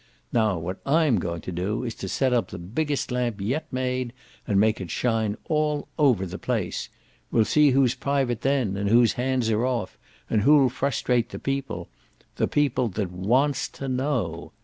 Now what I'm going to do is to set up the biggest lamp yet made and make it shine all over the place. We'll see who's private then, and whose hands are off, and who'll frustrate the People the People THAT WANTS TO KNOW.